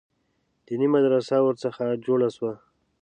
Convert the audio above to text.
دیني مدرسه ورڅخه جوړه سوه.